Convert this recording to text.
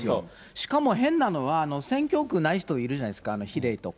しかも変なのは選挙区ない人いるじゃないですか、比例とか。